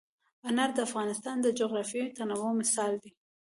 انار د افغانستان د جغرافیوي تنوع مثال دی.